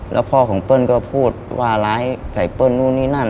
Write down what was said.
แล้วพ่อของเปิ้ลก็พูดว่าร้ายใส่เปิ้ลนู่นนี่นั่น